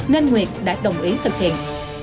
nên nguyệt đã đồng ý thực hiện